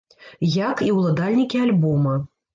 Як і ўладальнікі альбома.